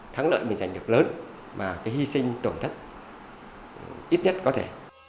thắng lợi mình giành được lớn mà cái hy sinh tổn thất ít nhất có thể